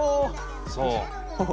そう。